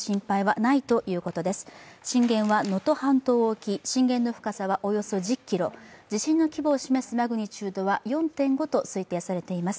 震源は能登半島沖、震源の深さはおよそ１０ｋｍ、地震の規模を示すマグニチュードは４．５となっています。